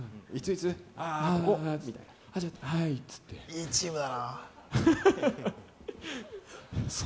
いいチームだな。